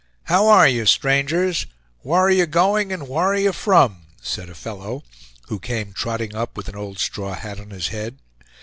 "How are you, strangers? whar are you going and whar are you from?" said a fellow, who came trotting up with an old straw hat on his head.